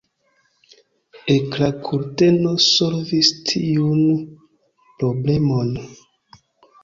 Ekrankurteno solvis tiun problemon.